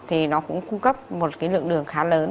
thì nó cũng cung cấp một cái lượng đường khá lớn